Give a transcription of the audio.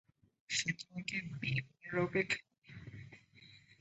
সে তোমাকে বিয়ে করার অপেক্ষা?